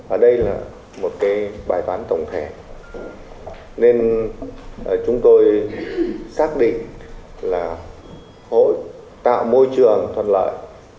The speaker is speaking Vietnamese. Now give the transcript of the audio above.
ở đây là một cái bài toán tổng thể nên chúng tôi xác định là tạo môi trường thuận lợi